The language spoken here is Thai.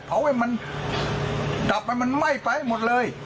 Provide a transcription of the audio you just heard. เผาให้มันจับให้มันไหม้ไปหมดเลย